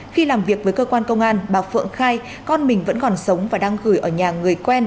khi làm việc với cơ quan công an bà phượng khai con mình vẫn còn sống và đang gửi ở nhà người quen